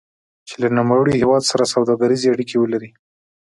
چې له نوموړي هېواد سره سوداګریزې اړیکې ولري.